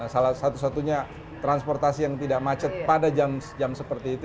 salah satu satunya transportasi yang tidak macet pada jam seperti itu